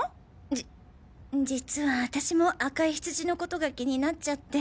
じ実は私も赤いヒツジのことが気になっちゃって。